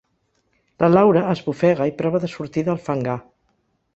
La Laura esbufega i prova de sortir del fangar.